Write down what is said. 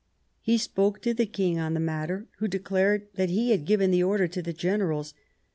He spoke to the King on the matter, who declared that he had given the order to the generals.